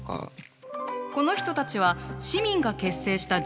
この人たちは市民が結成した自警団なの。